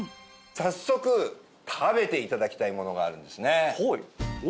早速食べて頂きたいものがあるんですね。